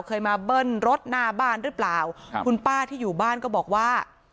เคยมาเบิ้ลรถหน้าบ้านหรือเปล่าครับคุณป้าที่อยู่บ้านก็บอกว่า